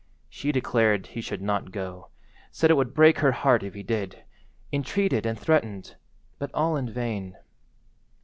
She declared he should not go; said it would break her heart if he did; entreated and threatened, but all in vain.